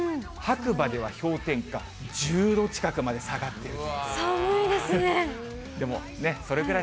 白馬では氷点下１０度近くまで下がって。